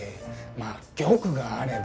まあ玉があれば。